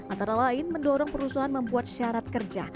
antara lain mendorong perusahaan membuat syarat kerja